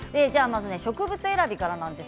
植物選びからです。